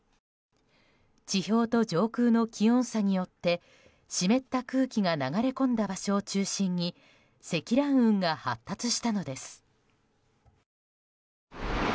地表と上空の気温差によって湿った空気が流れ込んだ場所を中心に積乱雲が発達したのです。